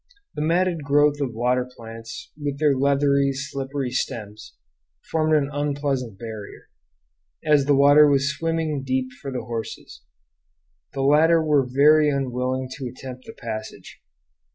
The matted growth of water plants, with their leathery, slippery stems, formed an unpleasant barrier, as the water was swimming deep for the horses. The latter were very unwilling to attempt the passage.